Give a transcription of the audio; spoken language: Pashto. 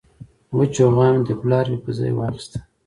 وچه غوا مې د بلاربې په ځای واخیسته.